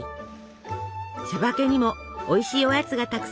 「しゃばけ」にもおいしいおやつがたくさん登場。